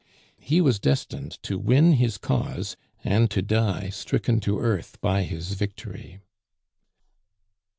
He was destined to win his cause and to die stricken to earth by his victory.